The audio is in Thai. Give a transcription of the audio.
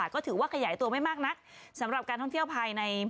เปล่าไม่มีอะไรนี่สองกรานหรอปุ๊บ